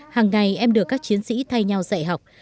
hàng ngày em được các chiến sĩ thay nhau dạy học